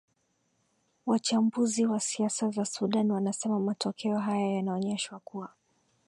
wachambuzi wa siasa za sudan wanasema matokeo haya yanaonyesha kuwa